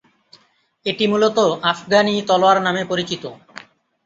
এটি মূলত আফগানি তলোয়ার নামে পরিচিত।